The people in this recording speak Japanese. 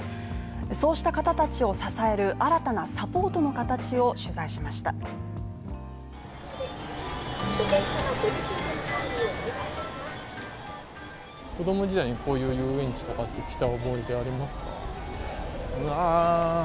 そうした方たちを支える新たなサポートの形を取材しました。